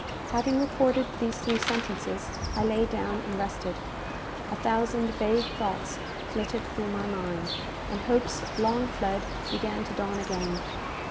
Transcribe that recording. Having recorded these three sentences, I lay down and rested. A thousand vague thoughts flitted through my mind, and hopes long fled began to dawn again.